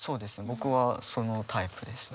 僕はそのタイプです。